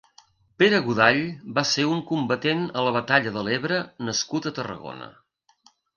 Pere Godall va ser un combatent a la batalla de l'Ebre nascut a Tarragona.